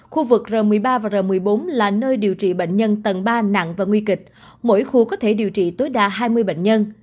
khu vực r một mươi ba và r một mươi bốn là nơi điều trị bệnh nhân tầng ba nặng và nguy kịch mỗi khu có thể điều trị tối đa hai mươi bệnh nhân